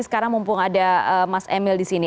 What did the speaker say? sekarang mumpung ada mas emil disini